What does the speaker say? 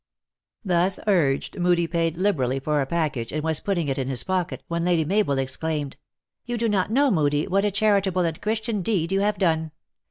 Thus urged, Moodie paid liberally for a package, and was putting it in his pocket, when Lady Mabel ex claimed, "You do not know, Moodie, what a chari table and Christian deed you have done.